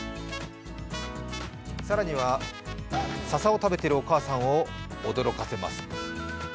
更には笹を食べてるお母さんを驚かせます。